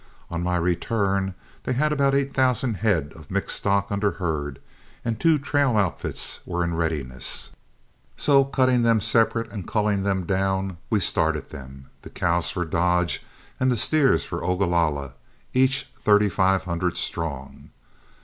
On my return they had about eight thousand head of mixed stock under herd and two trail outfits were in readiness, so cutting them separate and culling them down, we started them, the cows for Dodge and the steers for Ogalalla, each thirty five hundred strong.